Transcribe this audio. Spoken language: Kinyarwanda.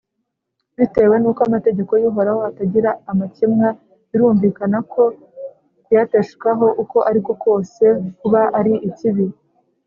bitewe n’uko “amategeko y’uhoraho atagira amakemwa,” birumvikana ko kuyateshukaho uko ari ko kose kuba ari ikibi